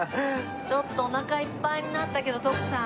ちょっとおなかいっぱいになったけど徳さん。